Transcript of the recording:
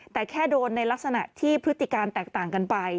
แต่แค่โดนในลักษณะที่พฤติการแตกต่างกันไป